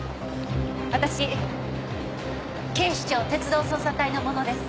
私警視庁鉄道捜査隊の者です。